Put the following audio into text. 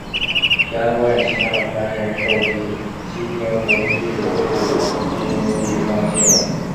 平安保险旗下的平安人寿及西京投资亦有入股金利丰金融。